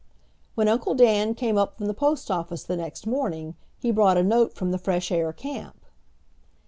When Uncle Dan came up from the postoffice the next morning he brought a note from the fresh air camp.